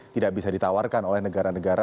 tidak bisa ditawarkan oleh negara negara